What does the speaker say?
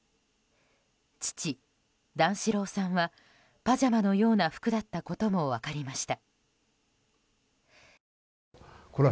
父・段四郎さんはパジャマのような服だったことも分かりました。